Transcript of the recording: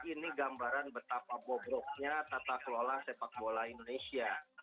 ini gambaran betapa bobroknya tata kelola sepak bola indonesia